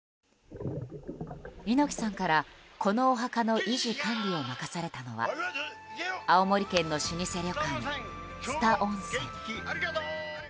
猪木さんから、このお墓の維持・管理を任されたのは青森県の老舗旅館・蔦温泉。